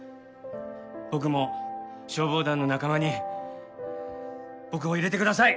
僕も消防団の仲間に僕を入れてください！